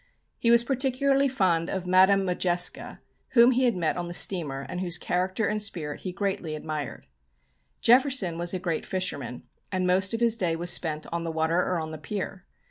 He was particularly fond of Madame Modjeska, whom he had met on the steamer, and whose character and spirit he greatly admired. Jefferson was a great fisherman, and most of his day was spent on the water or on the pier.